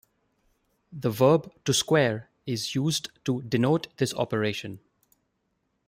The verb "to square" is used to denote this operation.